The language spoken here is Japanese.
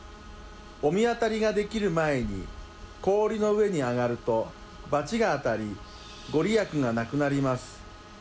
御神渡りが出来る前に氷の上に上がると、罰が当たり、御利益がなくなります。